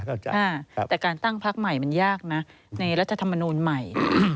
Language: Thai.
แต่การตั้งพักใหม่มันยากนะในรัฐธรรมนูลใหม่